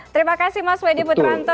terima kasih mas wedi putranto